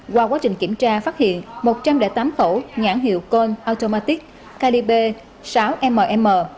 qua quá trình kiểm tra phát hiện một trăm linh tám khẩu nhãn hiệu colt automatic calibre sáu mm